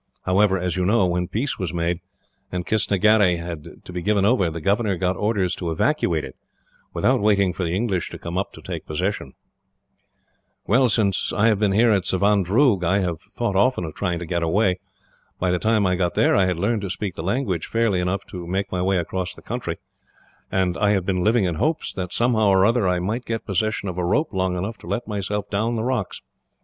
However, as you know, when peace was made, and Kistnagherry had to be given over, the governor got orders to evacuate it, without waiting for the English to come up to take possession. "Well, since I have been at Savandroog, I have thought often of trying to get away. By the time I got there, I had learned to speak the language fairly enough to make my way across the country, and I have been living in hopes that, somehow or other, I might get possession of a rope long enough to let myself down the rocks.